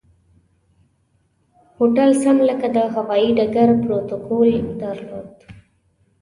هوټل سم لکه د هوایي ډګر پروتوکول درلود.